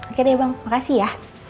oke deh bang makasih ya